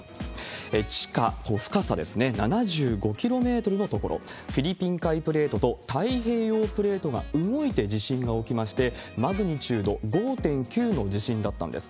地下、深さ７５キロメートルの所、フィリピン海プレートと太平洋プレートが動いて地震が起きまして、マグニチュード５．９の地震だったんです。